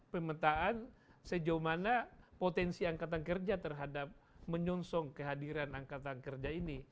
pementaan sejauh mana potensi angkatan kerja terhadap menyonsong kehadiran angkatan kerja